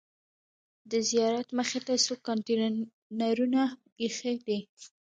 د زیارت مخې ته څو کانتینرونه ایښي دي.